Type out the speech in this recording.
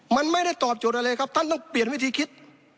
มันไม่ได้ตอบโจทย์อะไรครับท่านต้องเปลี่ยนวิธีคิด